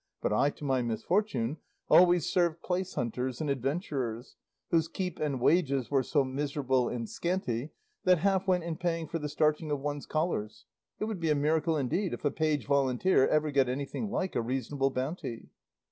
But I, to my misfortune, always served place hunters and adventurers, whose keep and wages were so miserable and scanty that half went in paying for the starching of one's collars; it would be a miracle indeed if a page volunteer ever got anything like a reasonable bounty."